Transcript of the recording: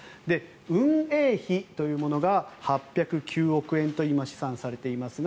運営費というものが８０９億円と今、試算されていますが